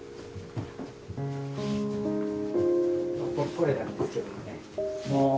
これなんですけどもね。